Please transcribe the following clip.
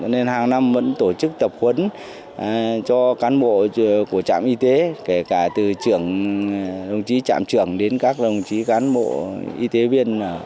nên hàng năm vẫn tổ chức tập huấn cho cán bộ của trạm y tế